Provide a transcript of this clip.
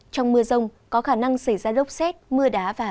trong mưa rông có khả năng xảy ra đốc xét mưa đá